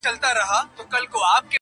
چي له سر څخه د چا عقل پردی سي -